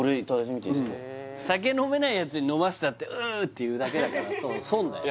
酒飲めないやつに飲ましたってううーっていうだけだから損だよ